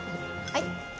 はい。